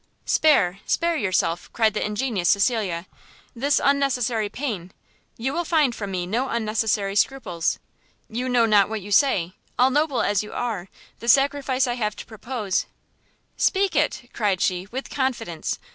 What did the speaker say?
"Spare, spare yourself," cried the ingenuous Cecilia, "this, unnecessary pain! you will find from me no unnecessary scruples." "You know not what you say! all noble as you are, the sacrifice I have to propose " "Speak it," cried she, "with confidence!